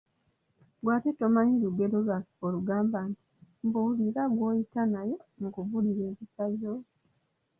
Ggwe ate tomanyi lugero lwaffe olugamba nti , "Mbuulira gwoyita naye nkubuulire empisa zo?